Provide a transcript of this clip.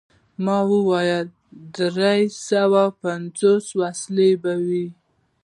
ما وویل: دری سوه پنځوس وسلې به وي.